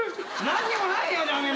何にもないよ。